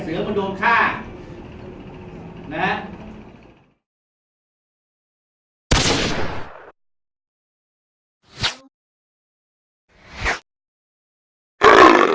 เสือมันโดนฆ่านะฮะ